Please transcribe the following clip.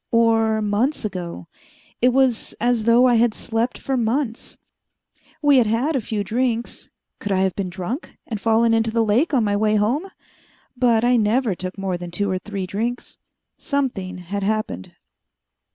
Or months ago? It was as though I had slept for months. We had had a few drinks could I have been drunk, and fallen into the lake on my way home? But I never took more than two or three drinks. Something had happened.